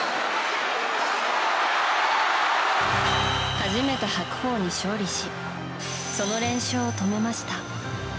初めて白鵬に勝利しその連勝を止めました。